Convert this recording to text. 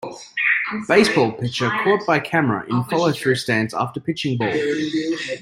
Baseball pitcher caught by camera in followthrough stance after pitching ball.